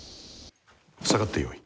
下がってよい。